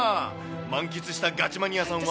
満喫したガチマニアさんは。